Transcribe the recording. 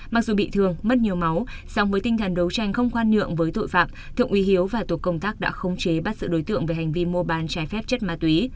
mặc dù bị thương mất nhiều máu song với tinh thần đấu tranh không khoan nhượng với tội phạm thượng úy hiếu và tổ công tác đã khống chế bắt giữ đối tượng về hành vi mua bán trái phép chất ma túy